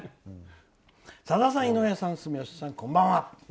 「さださん、井上さん、住吉さんこんばんは。